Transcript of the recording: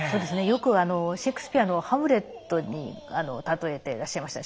よくシェークスピアの「ハムレット」に例えてらっしゃいました。